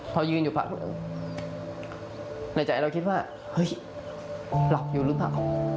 พอยืนอยู่พักในใจเราคิดว่าเฮ้ยหลับอยู่หรือเปล่า